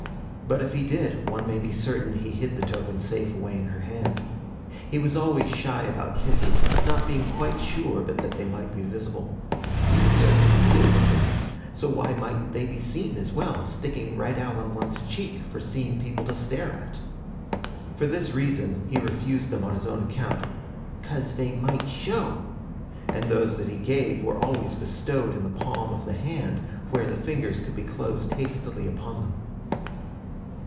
But if he did, one may be certain he hid the token safe away in her hand. He was always shy about kisses, not being quite sure but that they might be visible. You could certainly feel the things, so why mightn't they be seen as well, sticking right out on one's cheek, for seeing people to stare at? For this reason, he refused them on his own account, ''cause vey might show'; and those that he gave were always bestowed in the palm of the hand, where the fingers could be closed hastily upon them.